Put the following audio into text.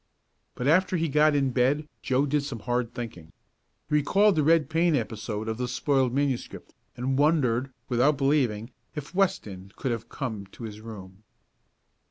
But after he got in bed, Joe did some hard thinking. He recalled the red paint episode of the spoiled manuscript, and wondered, without believing, if Weston could have come to his room.